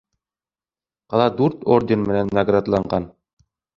Ҡала дүрт орден менән наградланған.